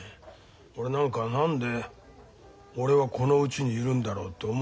俺なんか何で俺はこのうちにいるんだろうって思うことありますよ。